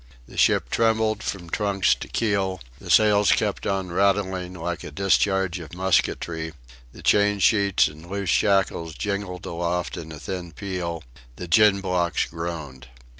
The ship trembled from trucks to keel; the sails kept on rattling like a discharge of musketry; the chain sheets and loose shackles jingled aloft in a thin peal; the gin blocks groaned.